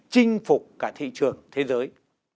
chinh phục cả thị trường thế giới